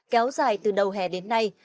kéo dài từ đầu hè đến nay